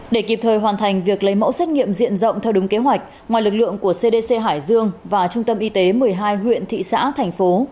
để kịp thời hoàn thành việc lấy mẫu xét nghiệm diện rộng theo đúng kế hoạch ngoài lực lượng của cdc hải dương và trung tâm y tế một mươi hai huyện thị xã thành phố